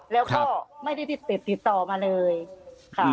แล้วก็ไม่ได้ติดติดต่อมาเลยค่ะ